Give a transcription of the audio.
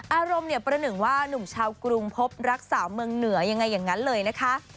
อารมณ์เนี่ยประหนึ่งว่านุ่มชาวกรุงพบรักสาวเมืองเหนือยังไงอย่างนั้นเลยนะคะ